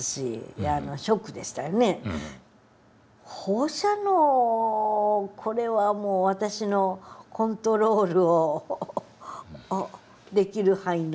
放射能これはもう私のコントロールをできる範囲の問題ではなく。